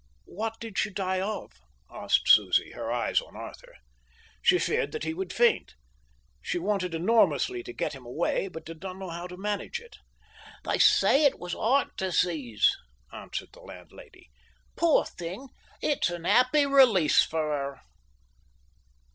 "What did she die of?" asked Susie, her eyes on Arthur. She feared that he would faint. She wanted enormously to get him away, but did not know how to manage it. "They say it was heart disease," answered the landlady. "Poor thing! It's a happy release for her."